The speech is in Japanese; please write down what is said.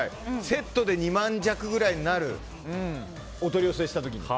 セットで２万弱ぐらいになるお取り寄せした時に。